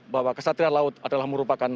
bahwa kesatrian laut adalah merupakan